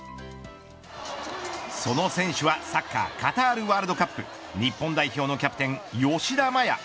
その選手はサッカーカタールワールドカップ日本代表のキャプテン吉田麻也。